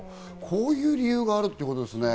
こういう理由があるということですね。